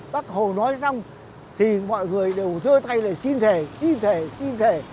bác hồ nói xong thì mọi người đều thưa tay lại xin thề xin thề xin thề